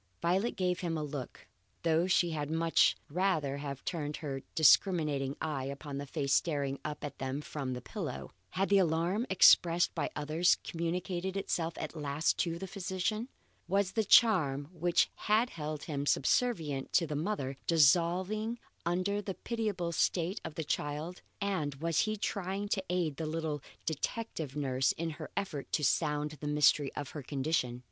Violet gave him a look, though she had much rather have turned her discriminating eye upon the face staring up at them from the pillow. Had the alarm expressed by others communicated itself at last to the physician? Was the charm which had held him subservient to the mother, dissolving under the pitiable state of the child, and was he trying to aid the little detective nurse in her effort to sound the mystery of her condition?